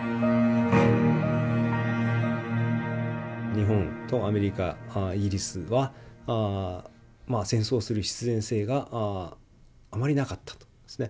日本とアメリカイギリスは戦争をする必然性があまりなかったという事ですね。